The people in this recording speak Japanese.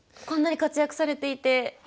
こんなに活躍されていて。